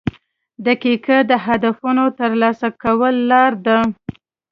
• دقیقه د هدفونو د ترلاسه کولو لار ده.